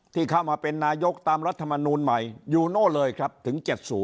ที่เข้ามาเป็นนายกตามรัฐมนูลใหม่อยู่โน่นเลยครับถึง๗๐